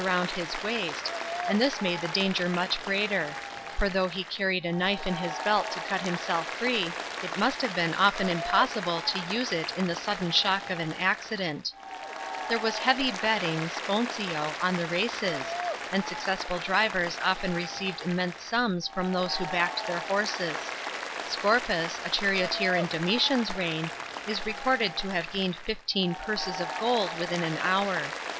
It was the custom for the charioteer to keep the reins looped round his waist, and this made the danger much greater ; for though he carried a knife in his belt to cut himself free, it must have been often impossible to use it in the sudden shock of an accident.* There was heavy betting (i ponsio) on the races, f and successful drivers oft< n received immense sums from those who backed their horses. Scorpus, a charioteer in Domitian's reign, is recorded to havegain«d fifteen purses of gold within an hour.